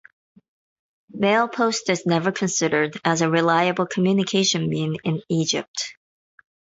Mail post is never considered as a reliable communication mean in Egypt.